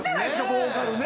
ボーカルね。